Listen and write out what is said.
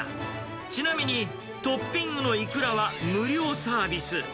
ちなみにトッピングのイクラは無料サービス。